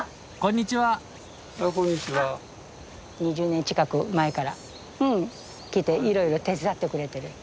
２０年近く前から来ていろいろ手伝ってくれてる。